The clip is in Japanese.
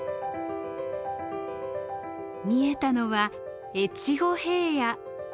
見えたのは越後平野。